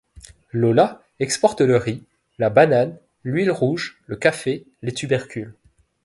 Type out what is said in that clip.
Lola exporte le riz, la banane, l'huile rouge, le café, les tubercules.